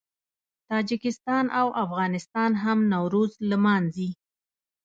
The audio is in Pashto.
تاجکستان او افغانستان هم نوروز لمانځي.